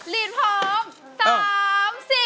ลีนพร้อม